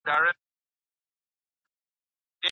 د محصلینو لیلیه په بیړه نه بشپړیږي.